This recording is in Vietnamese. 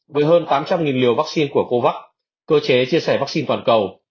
với hơn tám trăm linh liều vaccine của covax cơ chế chia sẻ vaccine toàn cầu